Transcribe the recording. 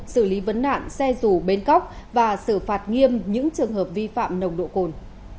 xử lý vấn nạn xe dù bến cóc và xử phạt nghiêm những trường hợp vi phạm nồng độ cồn